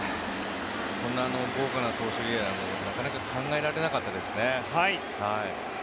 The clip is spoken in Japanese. こんな豪華な投手リレーはなかなか考えられなかったですね。